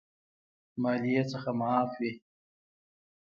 مالیې څخه معاف وي.